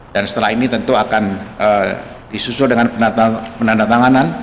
dan setelah ini tentu akan disusul dengan penandatanganan